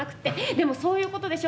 でもそういうことでしょ？